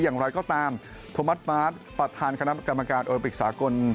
อย่างไรก็ตามทมประทานคณะกรรมการโอลิมปิกสากล